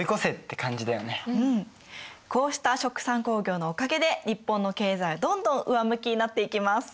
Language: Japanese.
こうした殖産興業のおかげで日本の経済はどんどん上向きになっていきます。